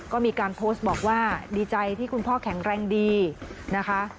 ก็มีการโพสต์บอกว่าดีใจที่คุณพ่อแข็งแรงดีนะคะ